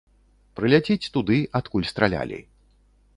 Прыляціць туды, адкуль стралялі.